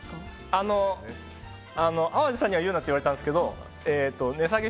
あの淡路さんには言うなって言われたんですけど値下げ？